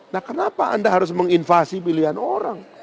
nah kenapa anda harus menginvasi pilihan orang